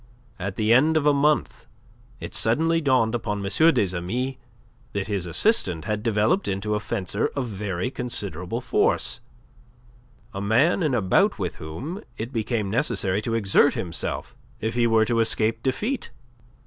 At the end of a month it suddenly dawned upon M. des Amis that his assistant had developed into a fencer of very considerable force, a man in a bout with whom it became necessary to exert himself if he were to escape defeat.